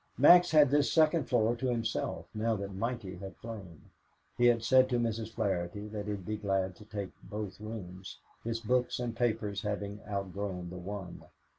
Max had this second floor to himself now that Mikey had flown. He had said to Mrs. Flaherty that he'd be glad to take both rooms, his books and papers having outgrown the one.